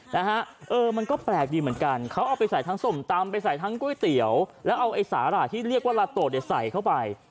นะฮะเออมันก็แปลกดีเหมือนกันเขาเอาไปใส่ทั้งส้มตำไปใส่ทั้งก๋วยเตี๋ยวแล้วเอาไอ้สาหร่ายที่เรียกว่าลาโตเนี่ยใส่เข้าไป